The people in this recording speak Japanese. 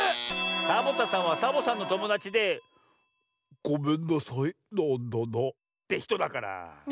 サボタさんはサボさんのともだちで「ごめんなさいなんだな」ってひとだから。